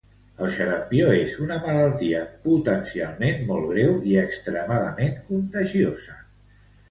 El xarampió és una malaltia potencialment molt greu i extremadament contagiosa.